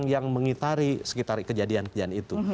yang mengitari sekitar kejadian kejadian itu